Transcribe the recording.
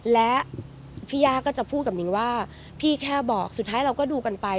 และพี่ย่าก็จะพูดกับนิงว่าพี่แค่บอกสุดท้ายเราก็ดูกันไป